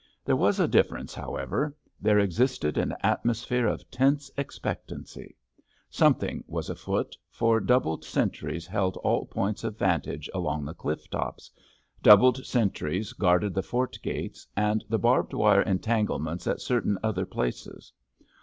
There was a difference, however; there existed an atmosphere of tense expectancy. Something was afoot, for doubled sentries held all points of vantage along the cliff tops, doubled sentries guarded the fort gates, and the barbed wire entanglements at certain other places.